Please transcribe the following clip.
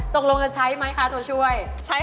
ตกลงจะใช้ไหมคะตัวช่วย